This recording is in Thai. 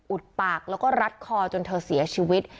ปากแล้วก็รัดคอจนเธอเสียชีวิต